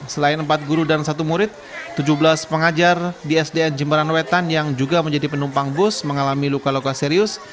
selain empat guru dan satu murid tujuh belas pengajar di sdn jemberan wetan yang juga menjadi penumpang bus mengalami luka luka serius